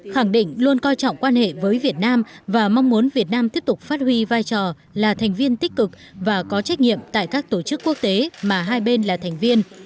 khẳng định luôn coi trọng quan hệ với việt nam và mong muốn việt nam tiếp tục phát huy vai trò là thành viên tích cực và có trách nhiệm tại các tổ chức quốc tế mà hai bên là thành viên